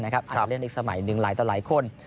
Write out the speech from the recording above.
อาจจะเล่นอีกสมัยหนึ่งหลายต่อหลายคน